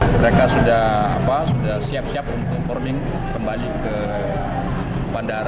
mereka sudah siap siap untuk warning kembali ke bandara